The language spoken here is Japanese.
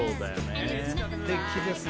素敵ですね。